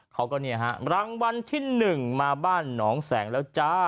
เขาก็เนี่ยฮะรางวัลที่๑มาบ้านหนองแสงแล้วจ้า